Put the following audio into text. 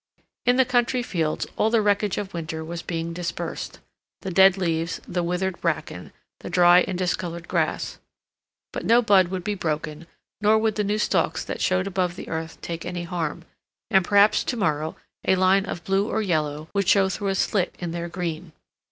In the country fields all the wreckage of winter was being dispersed; the dead leaves, the withered bracken, the dry and discolored grass, but no bud would be broken, nor would the new stalks that showed above the earth take any harm, and perhaps to morrow a line of blue or yellow would show through a slit in their green.